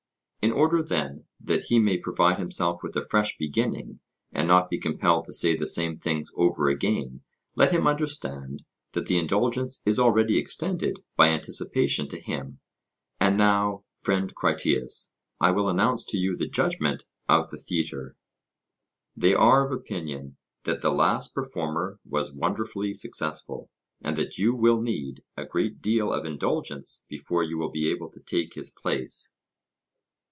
In order, then, that he may provide himself with a fresh beginning, and not be compelled to say the same things over again, let him understand that the indulgence is already extended by anticipation to him. And now, friend Critias, I will announce to you the judgment of the theatre. They are of opinion that the last performer was wonderfully successful, and that you will need a great deal of indulgence before you will be able to take his place.